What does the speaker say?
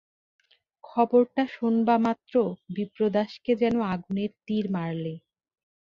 খবরটা শোনবামাত্র বিপ্রদাসকে যেন আগুনের তীর মারলে।